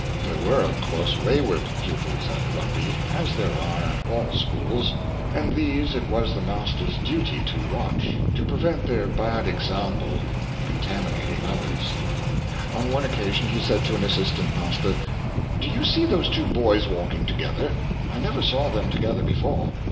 There were, of course, wayward pupils at Rugby, as there are at all 128 Dugald Stewart. schools; and these it was the master's duty to watch, to prevent their bad example contaminating others." On one occasion, he said to an assistant master: "Do you see those two boys walking together? I never saw them together before.